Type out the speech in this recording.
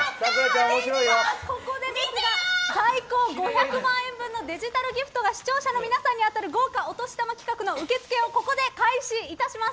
最高５００万円分のデジタルギフトが視聴者の皆さんに当たる豪華お年玉企画の受け付けをここで開始いたします。